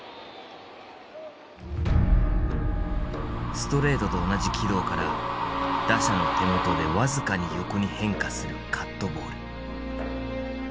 ストレートと同じ軌道から打者の手元で僅かに横に変化するカットボール。